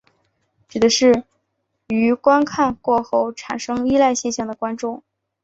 指的是于观看过后产生依赖现象的观众。